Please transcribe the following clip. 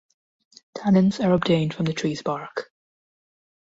Tannins are obtained from the trees' bark.